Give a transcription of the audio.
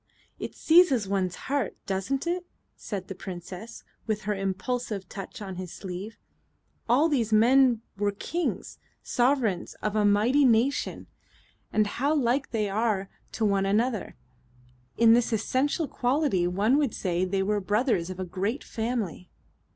"It seizes one's heart, doesn't it?" said the Princess, with her impulsive touch on his sleeve. "All these men were kings sovereigns of a mighty nation. And how like they are to one another in this essential quality one would say they were brothers of a great family."